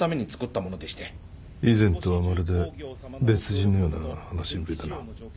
以前とはまるで別人のような話しぶりだな。